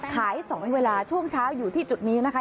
ขาย๒เวลาช่วงเช้าอยู่ที่จุดนี้นะคะ